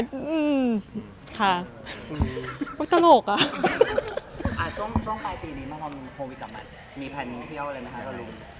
ช่วงปลายปีนี้เมื่อโควิดกลับมามีแพลนเที่ยวอะไรมั้ยคะ